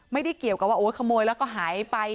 ไม่ได้เกี่ยวกับว่าโอ้ยขโมยแล้วก็หายไป